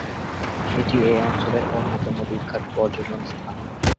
এটি এই অঞ্চলের অন্যতম বিখ্যাত পর্যটন স্থান।